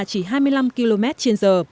chỉ hai mươi năm km trên giờ